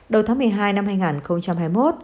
đầu tháng một mươi hai năm hai nghìn hai mươi một